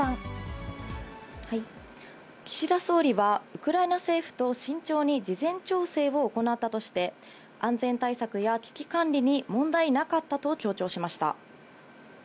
岸田総理は、ウクライナ政府と慎重に事前調整を行ったとして、安全対策や危機管理に問題なかったと強調しました。